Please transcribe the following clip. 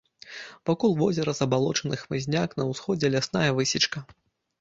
Вакол возера забалочаны хмызняк, на ўсходзе лясная высечка.